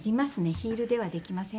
ヒールではできませんので。